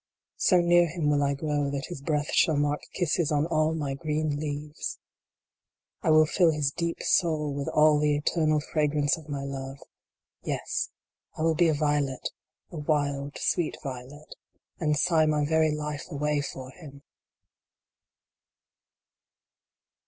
So near him will I grow that his breath shall mark kisses on all my green leaves ! I will fill his deep soul with all the eternal fragrance of my love ! Yes, I will be a violet a wild sweet violet and sigh my very life away for him